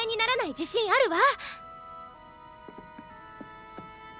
自信あるわ！